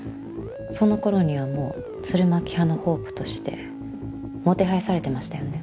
その頃にはもう鶴巻派のホープとしてもてはやされてましたよね。